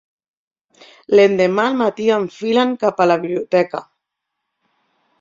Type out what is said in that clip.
L'endemà al matí enfilen cap a la biblioteca.